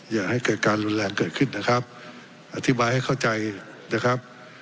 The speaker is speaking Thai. อย่าให้เกิดการรุนแรงเกิดขึ้นนะครับอธิบายให้เข้าใจนะครับ